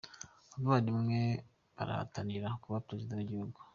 Abavandimwe barahatanira kuba Perezida wigihugu